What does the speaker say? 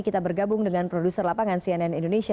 kita bergabung dengan produser lapangan cnn indonesia